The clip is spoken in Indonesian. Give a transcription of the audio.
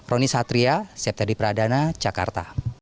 roni satria siap tadi pradana jakarta